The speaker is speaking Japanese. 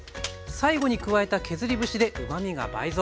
最後に加えた削り節でうまみが倍増。